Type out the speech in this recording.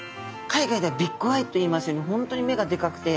海外ではビッグアイといいますように本当に目がでかくて。